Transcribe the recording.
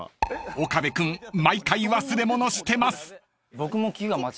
［岡部君毎回忘れ物してます］